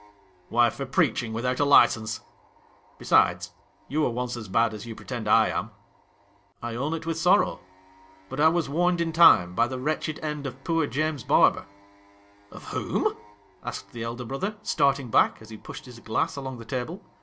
' Why, for preaching without a license. — Besides, you were once as bad as you pretend I am.' ' I own it with sorrow ; but I was warned in time by the wretched end of poor James Barber '' Of whom 1 ' asked the elder brother, starting back as he pushed his glass along the table.